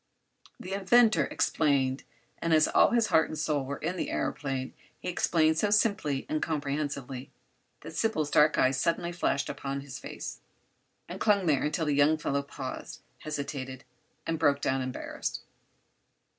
The inventor explained, and as all his heart and soul were in the aëroplane he explained so simply and comprehensively that Sybil's dark eyes suddenly flashed upon his face, and clung there until the young fellow paused, hesitated, and broke down embarrassed.